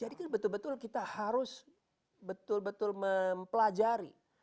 jadi kan betul betul kita harus betul betul mempelajari